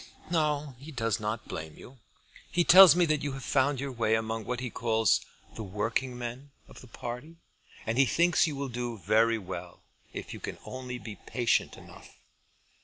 "Oh, he does not blame you. He tells me that you have found your way among what he calls the working men of the party, and he thinks you will do very well, if you can only be patient enough.